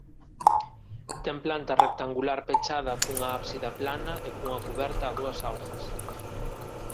Ten planta rectangular pechada cunha ábsida plana e cunha cuberta a dúas augas.